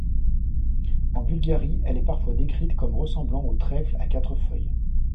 En Bulgarie, elle est parfois décrite comme ressemblant au trèfle à quatre feuilles.